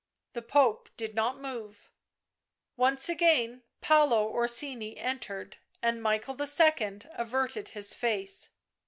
The Pope did not move. Once again Paolo Orsini entered, and Michael II. averted his face.